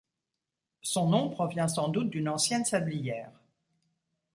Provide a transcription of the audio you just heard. Son nom provient sans doute d'une ancienne sablière.